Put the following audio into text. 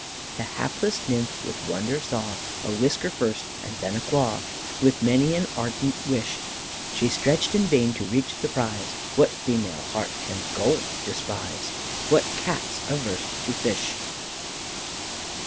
"The hapless nymph, with wonder saw, A whisker first, and then a claw; With many an ardent wish She stretched in vain to reach the prize; What female heart can gold despise? What Cat's averse to fish?